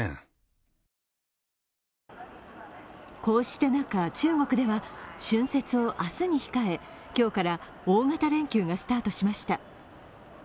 こうした中、中国では春節を明日に控え、今日から大型連休がスタとしました。